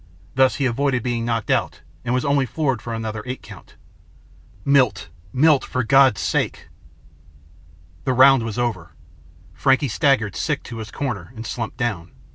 Thus he avoided being knocked out and was only floored for another eight count. _Milt Milt for God's sake _ The round was over. Frankie staggered, sick, to his corner and slumped down.